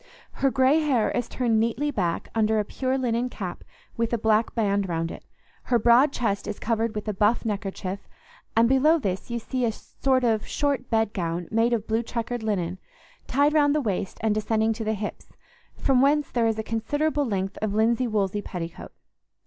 Her grey hair is turned neatly back under a pure linen cap with a black band round it; her broad chest is covered with a buff neckerchief, and below this you see a sort of short bedgown made of blue checkered linen, tied round the waist and descending to the hips, from whence there is a considerable length of linsey woolsey petticoat.